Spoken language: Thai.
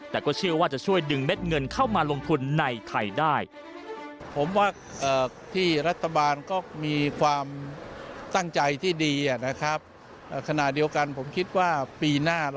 แต่ก็เชื่อว่าจะช่วยดึงเม็ดเงินเข้ามาลงทุนในไทยได้